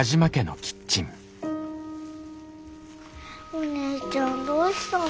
お姉ちゃんどうしたの？